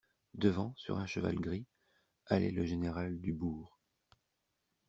Devant, sur un cheval gris, allait le général Dubourg.